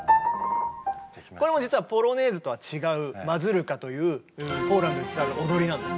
これも実は「ポロネーズ」とは違う「マズルカ」というポーランドに伝わる踊りなんです。